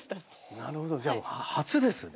なるほどじゃあ初ですね。